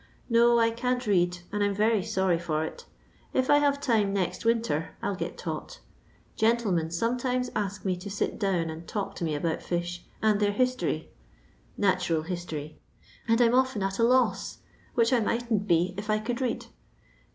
No, I can't read, and I *m very sorry for it. If I have time next winter 1 11 get taugh^ Gentlemen sometimes ask me to sit down, and talk to me about fish, and their his tory (natursl history), and 1 'm often at a loss, which I mightn't be if I could read.